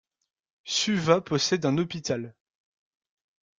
Suva possède un hôpital.